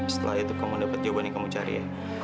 setelah itu kamu dapat jawabannya kamu cari